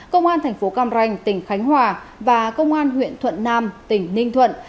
công an tp cam ranh tỉnh khánh hòa và công an huyện thuận nam tỉnh ninh thuận